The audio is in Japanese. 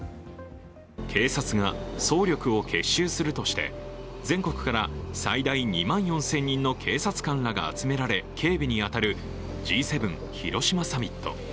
警察が総力を結集するとして、全国から最大２万４０００人の警察官らが集められ、警備に当たるＧ７広島サミット。